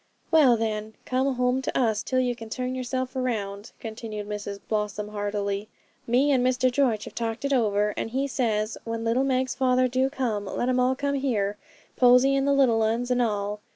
'Well, then, come home to us till you can turn yourself round,' continued Mrs Blossom heartily; 'me and Mr George have talked it over, and he says, "When little Meg's father do come, let 'em all come here: Posy, and the little 'uns, and all.